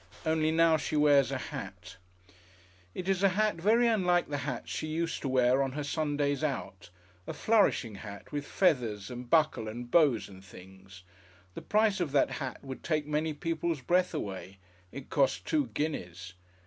Only now she wears a hat. It is a hat very unlike the hats she used to wear on her Sundays out, a flourishing hat with feathers and buckle and bows and things. The price of that hat would take many people's breath away it cost two guineas!